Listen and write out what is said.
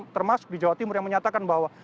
termasuk di jawa timur yang menyatakan bahwa